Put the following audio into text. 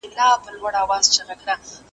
د زمري او ګیدړانو غوړ ماښام وو .